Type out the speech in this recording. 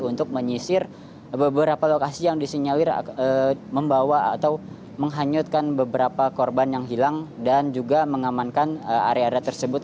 untuk menyisir beberapa lokasi yang disinyalir membawa atau menghanyutkan beberapa korban yang hilang dan juga mengamankan area area tersebut